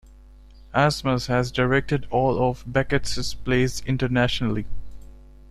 Asmus has directed all of Beckett's plays internationally.